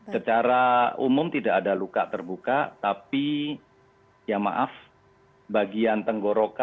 secara umum tidak ada luka terbuka tapi ya maaf bagian tenggorokan